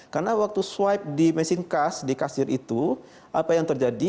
karena waktu swipe di mesin kas di kasir itu apa yang terjadi